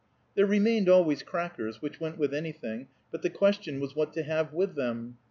There remained always crackers, which went with anything, but the question was what to have with them.